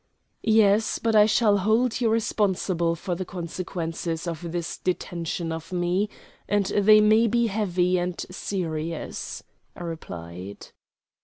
"Yes, but I shall hold you responsible for the consequences of this detention of me, and they may be heavy and serious," I replied.